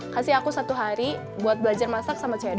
kasih aku satu hari buat belajar masak sama cewek